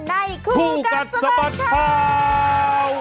ในคู่กัดสะบัดเผ่า